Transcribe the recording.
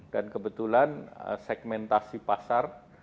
dan kebetulan segmentasi pasar